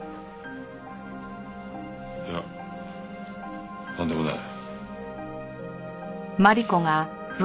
いやなんでもない。